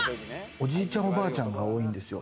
おじいちゃん、おばあちゃんが多いんですよ。